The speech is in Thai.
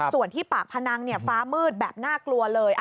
ส่วนที่ปากพนังฟ้ามืดแบบน่ากลัวเลย